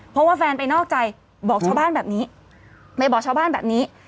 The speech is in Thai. เพราะว่าแฟนไปนอกใจบอกชาวบ้านแบบนี้ไม่บอกชาวบ้านแบบนี้